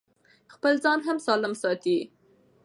خپل ځان هم سالم ساتي.